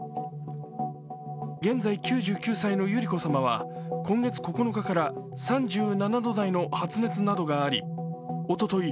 現在９９歳の百合子さまは今月９日から３７度台の発熱などがありおととい